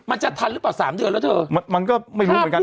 มันจะทันหรือเปล่าสามเดือนแล้วเธอมันก็ไม่รู้เหมือนกัน